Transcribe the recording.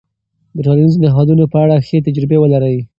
د ټولنيزو نهادونو په اړه ښې تجربې ولرئ.